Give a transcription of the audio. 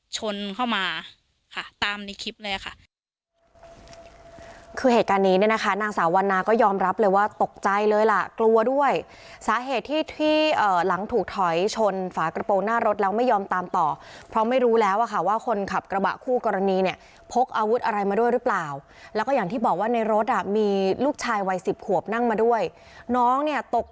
ชนเข้ามาค่ะตามในคลิปเลยค่ะคือเหตุการณ์นี้เนี่ยนะคะนางสาววันนาก็ยอมรับเลยว่าตกใจเลยล่ะกลัวด้วยสาเหตุที่ที่หลังถูกถอยชนฝากระโปรงหน้ารถแล้วไม่ยอมตามต่อเพราะไม่รู้แล้วอะค่ะว่าคนขับกระบะคู่กรณีเนี่ยพกอาวุธอะไรมาด้วยหรือเปล่าแล้วก็อย่างที่บอกว่าในรถอ่ะมีลูกชายวัยสิบขวบนั่งมาด้วยน้องเนี่ยตก